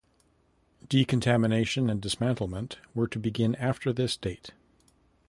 Decontamination and dismantlement were to begin after this date.